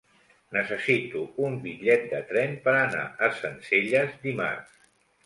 Necessito un bitllet de tren per anar a Sencelles dimarts.